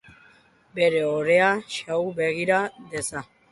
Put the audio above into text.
Bere ohorea xahu begira dezan.